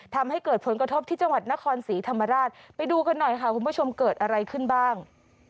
ทำให้เกิดผลกระทบที่จังหวัดนครศรีธรรมราชไปดูกันหน่อยค่ะคุณผู้ชมเกิดอะไรขึ้นบ้าง